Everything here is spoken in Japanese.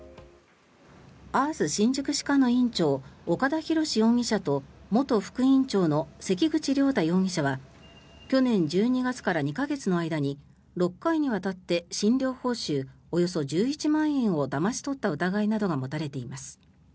あーす新宿歯科の院長岡田洋容疑者と元副院長の関口了太容疑者は去年１２月から２か月の間に６回にわたって診療報酬およそ１１万円をだまし取った疑いなどが持たれています。